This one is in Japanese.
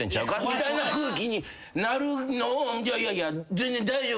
みたいな空気になるのをいやいや全然大丈夫。